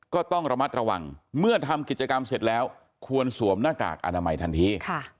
ก็ต้องระมัดระวังเมื่อทำกิจกรรมเสร็จแล้วควรสวมหน้ากากอนามัยทันที